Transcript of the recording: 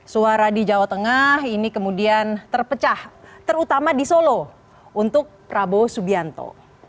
suara di jawa tengah ini kemudian terpecah terutama di solo untuk prabowo subianto